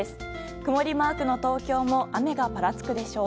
曇りマークの東京も雨がぱらつくでしょう。